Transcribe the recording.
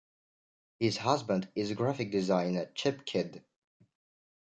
His husband is graphic designer Chip Kidd.